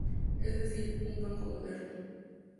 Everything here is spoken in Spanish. Es decir, un banco moderno.